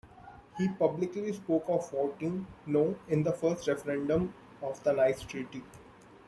He publicly spoke of voting "No" in the first referendum on the Nice Treaty.